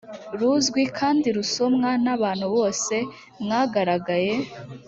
ruzwi kandi rusomwa n abantu bose mwagaragaye